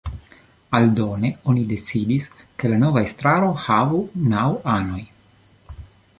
Aldone oni decidis, ke la nova estraro havu naŭ anojn.